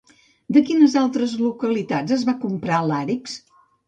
De quines altres localitats es va comprar làrix?